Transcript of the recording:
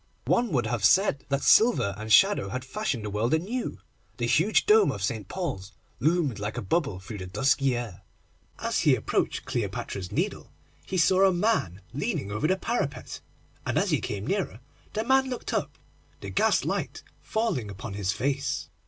One would have said that silver and shadow had fashioned the world anew. The huge dome of St. Paul's loomed like a bubble through the dusky air. As he approached Cleopatra's Needle he saw a man leaning over the parapet, and as he came nearer the man looked up, the gas light falling full upon his face.